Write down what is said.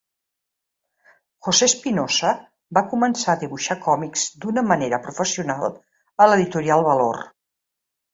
José Espinosa, va començar a dibuixar còmics d'una manera professional a l'editorial Valor.